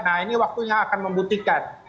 nah ini waktunya akan membuktikan